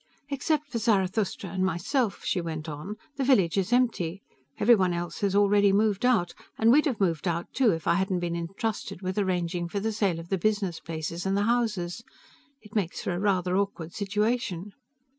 "Except for Zarathustra and myself," she went on, "the village is empty. Everyone else has already moved out, and we'd have moved out, too, if I hadn't been entrusted with arranging for the sale of the business places and the houses. It makes for a rather awkward situation."